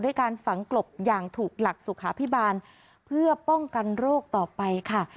การฝังกลบอย่างถูกหลักสุขาพิบาลเพื่อป้องกันโรคต่อไปค่ะ